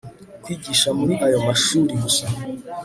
kwigisha muri ayo mashuri gusa